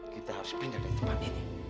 kita harus pindah ke tempat ini